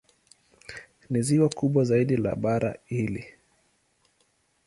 Ni ziwa kubwa zaidi la bara hili.